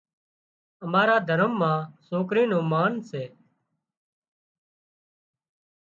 امارا دهرم مان سوڪرِي نُون مانَ سي